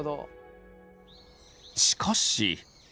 しかし。